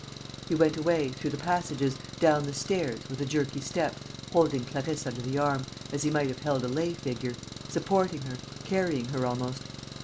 He went away, through the passages, down the stairs, with a jerky step, holding Clarisse under the arm, as he might have held a lay figure, supporting her, carrying her almost.